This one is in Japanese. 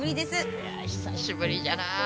いや久しぶりじゃな。